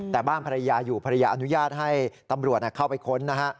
แต่บ้านภรรยาอยู่ภรรยาอนุญาตให้ตำรวจเข้าไปค้นนะฮะ